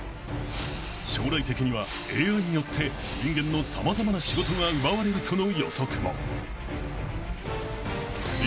［将来的にはＡＩによって人間の様々な仕事が奪われるとの予測も］